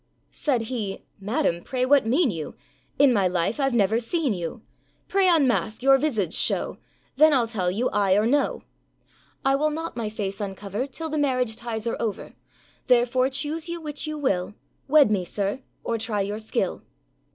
â Said he, âMadam, pray what mean you? In my life Iâve never seen you; Pray unmask, your visage show, Then Iâll tell you aye or no.â âI will not my face uncover Till the marriage ties are over; Therefore, choose you which you will, Wed me, sir, or try your skill.